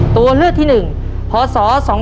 ตัวเลือกที่๑พศ๒๕๖